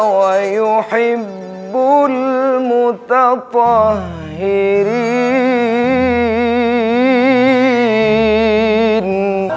wa yuhibbul mutatahirin